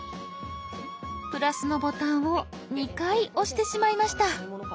プラスのボタンを２回押してしまいました。